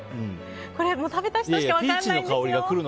これ、食べた人しか分からないですよ。